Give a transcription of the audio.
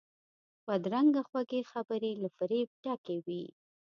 بدرنګه خوږې خبرې له فریب ډکې وي